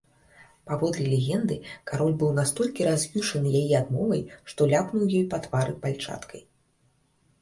Паводле легенды, кароль быў настолькі раз'юшаны яе адмовай, што ляпнуў ёй па твары пальчаткай.